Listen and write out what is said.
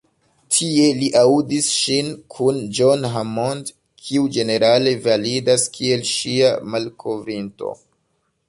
Tie li aŭdis ŝin kun John Hammond, kiu ĝenerale validas kiel ŝia „malkovrinto“.